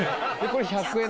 これ１００円！？